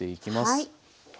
はい。